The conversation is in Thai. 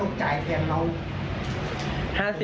เดี๋ยวผม